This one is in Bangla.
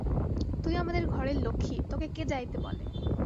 তুই আমাদের ঘরের লক্ষ্মী, তোকে কে যাইতে বলে?